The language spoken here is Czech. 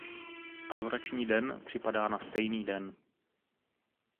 Adorační den připadá na stejný den.